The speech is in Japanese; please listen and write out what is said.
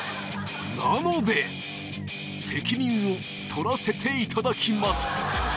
責任を取らせていただきます